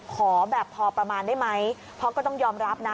ขอแบบพอประมาณได้ไหมเพราะก็ต้องยอมรับนะ